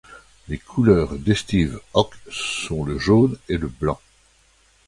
Les couleurs d'Hestiv’Òc sont le jaune et le blanc.